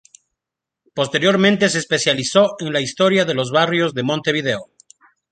Posteriormente se especializó en la historia de los barrios de Montevideo.